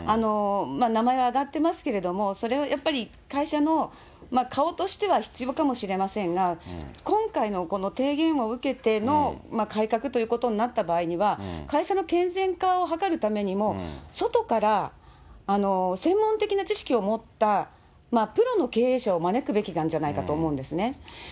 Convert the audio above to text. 名前は挙がってますけれども、それはやっぱり、会社の顔としては必要かもしれませんが、今回のこの提言を受けての改革ということになった場合には、会社の健全化を図るためにも、外から専門的な知識を持ったプロの経営者を招くべきなんじゃないかなと思うんですね。